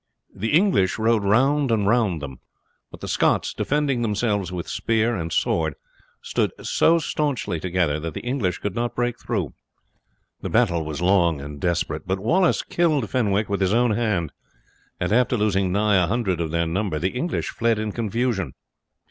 The English rode round and round them, but the Scots, defending themselves with spear and sword, stood so staunchly together that the English could not break through. The battle was long and desperate, but Wallace killed Fenwick with his own hand, and after losing nigh a hundred of their number the English fled in confusion.